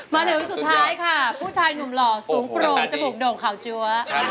มาถึงสุดท้ายค่ะผู้ชายหนุ่มหล่อสูงโปร่งจมูกโด่งขาวจั๊ว